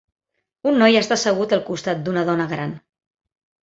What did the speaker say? Un noi està assegut al costat d'una dona gran.